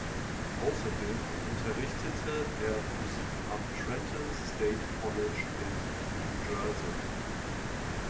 Außerdem unterrichtete er Physik am Trenton State College in New Jersey.